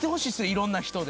いろんな人で。